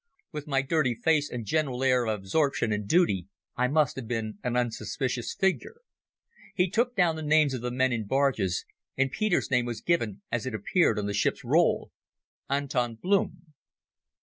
With my dirty face and general air of absorption in duty, I must have been an unsuspicious figure. He took down the names of the men in the barges, and Peter's name was given as it appeared on the ship's roll—Anton Blum.